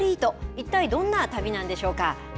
一体どんな旅なんでしょうか。